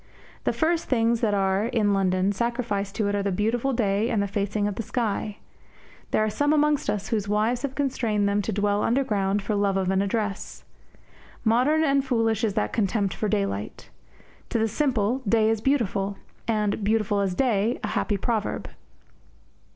The first things that are, in London, sacrificed to it are the beautiful day and the facing of the sky. There are some amongst us whose wives have constrained them to dwell underground for love of an address. Modern and foolish is that contempt for daylight. To the simple, day is beautiful; and "beautiful as day" a happy proverb.